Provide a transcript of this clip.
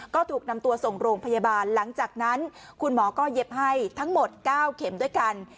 ก็ถูกนำตัวส่งโรงพยาบาลหลังจากนั้นคุณหมอก็เย็บให้ทั้งหมด๙เข็มด้วยกัน